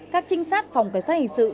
các trinh sát phòng cảnh sát hình sự